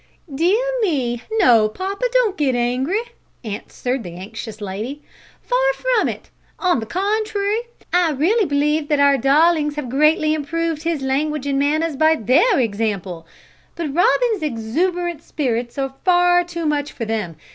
"Dear me, no, papa; don't get angry," answered the anxious lady "far from it. On the contrary, I really believe that our darlings have greatly improved his language and manners by their example; but Robin's exuberant spirits are far too much for them.